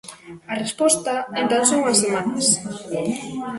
A resposta, en tan só unhas semanas.